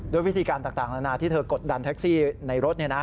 ด้วยวิธีการต่างที่เธอกดันแท็กซี่ในรถนี่นะ